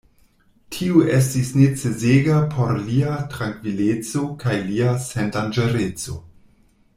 Tio estis necesega por lia trankvileco kaj lia sendanĝereco.